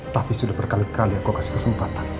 tapi sudah berkali kali aku kasih kesempatan